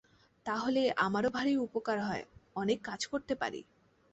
তা হলে আমারও ভারি উপকার হয়, অনেক কাজ করতে পারি!